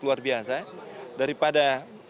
luar biasa daripada